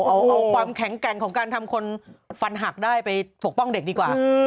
เอาความแข็งแกร่งของการทำคนฟันหักได้ไปปกป้องเด็กดีกว่า